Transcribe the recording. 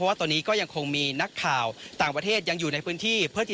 ว่าตอนนี้ก็ยังคงมีนักข่าวต่างประเทศยังอยู่ในพื้นที่เพื่อจะ